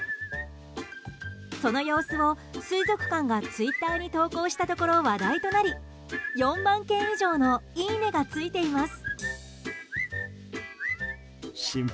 その様子を水族館がツイッターに投稿したところ、話題となり４万件以上のいいねがついています。